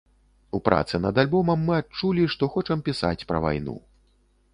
У працы над альбомам мы адчулі, што хочам пісаць пра вайну.